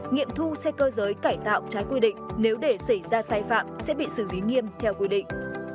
nghiệm thu xe cơ giới cải tạo trái quy định nếu để xảy ra sai phạm sẽ bị xử lý nghiêm theo quy định